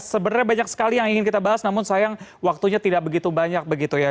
sebenarnya banyak sekali yang ingin kita bahas namun sayang waktunya tidak begitu banyak begitu ya